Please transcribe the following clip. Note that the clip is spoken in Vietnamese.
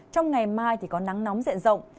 trong ngày mai thì có nắng nóng dẹn rộng